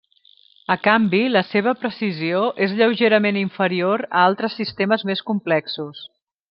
A canvi, la seva precisió és lleugerament inferior a altres sistemes més complexos.